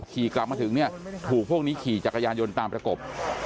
ขี่กลับมาถึงเนี่ยถูกพวกนี้ขี่จักรยานยนต์ตามประกบ